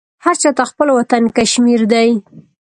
هرچاته خپل وطن کشمیردی